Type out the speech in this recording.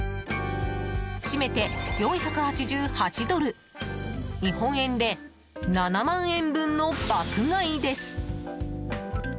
締めて４８８ドル日本円で７万円分の爆買いです。